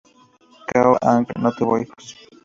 Cao Ang no tuvo hijos.